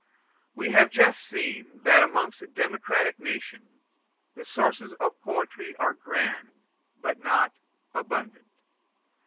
We have just seen that amongst democratic nations, the sources of poetry are grand, but not abundant.